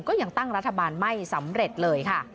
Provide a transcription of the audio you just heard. ก็ยังตั้งรัฐบาลไม่สำเร็จเลยค่ะ